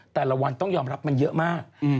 แต่ละวันต้องยอมรับมันเยอะมาก